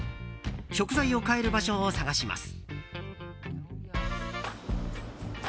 食材を買える場所を探します。